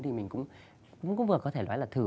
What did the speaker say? thì mình cũng vừa có thể nói là thử